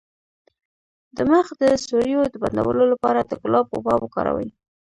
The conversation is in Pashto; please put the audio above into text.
د مخ د سوریو د بندولو لپاره د ګلاب اوبه وکاروئ